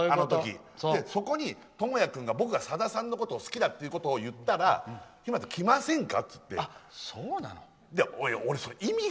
そこに倫也君が僕がさださんのことを好きだといったら日村さん、来ませんか？